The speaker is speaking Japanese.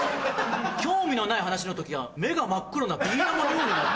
興味のない話の時は目が真っ黒なビー玉のようになる」。